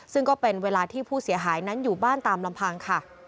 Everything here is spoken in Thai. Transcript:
ซึ่งก็เป็นเวลาที่ผู้เสียหายนั้นอยู่บ้านตามลำพังค่ะ